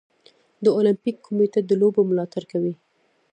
د المپیک کمیټه د لوبو ملاتړ کوي.